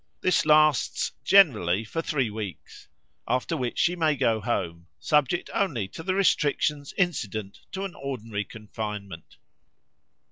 This lasts generally for three weeks, after which she may go home, subject only to the restrictions incident to an ordinary confinement.